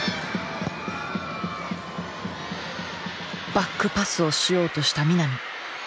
バックパスをしようとした南。